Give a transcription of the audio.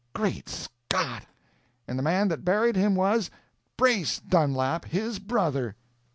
"Great Scott!" "And the man that buried him was—Brace Dunlap, his brother!"